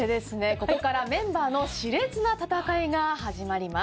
ここからメンバーの熾烈な戦いが始まります。